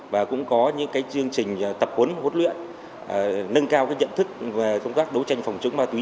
và cũng có những chương trình tập huấn huấn luyện nâng cao nhận thức về công tác đấu tranh phòng chống ma túy